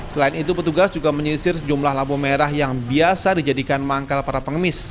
selain itu petugas juga menyisir sejumlah labu merah yang biasa dijadikan manggal para pengemis